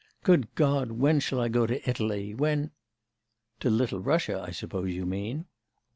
Good God, when shall I go to Italy? When ' 'To Little Russia, I suppose you mean?